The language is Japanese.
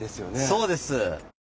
そうです。